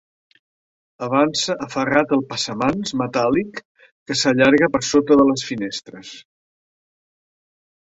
Avança aferrat al passamans metàl·lic que s'allarga per sota de les finestres.